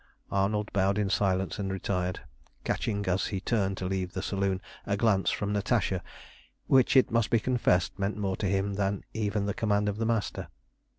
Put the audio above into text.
Arnold bowed in silence and retired, catching, as he turned to leave the saloon, a glance from Natasha which, it must be confessed, meant more to him than even the command of the Master.